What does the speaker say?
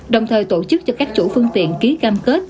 đồng thời tổ chức cho các chủ phương tiện ký cam kết